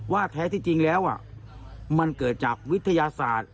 แท้ที่จริงแล้วมันเกิดจากวิทยาศาสตร์